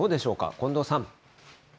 近藤さん。